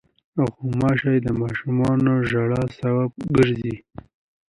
غوماشې د ماشومو ژړا سبب ګرځي.